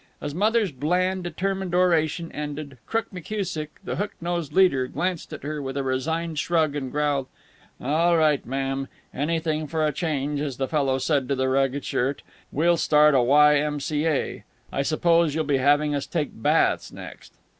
As Mother's bland determined oration ended, Crook McKusick, the hook nosed leader, glanced at her with a resigned shrug and growled: "All right, ma'am. Anything for a change, as the fellow said to the ragged shirt. We'll start a Y. M. C. A. I suppose you'll be having us take baths next."